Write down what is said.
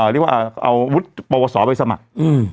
เรียกว่าอาวุธปวสอไปสมัคร